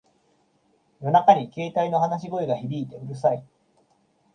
夜中に携帯の話し声が響いてうるさい